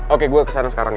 oke gue kesana sekarang ya